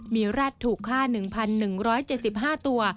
มีแร็ดถูกฆ่า๑๑๗๕ตัว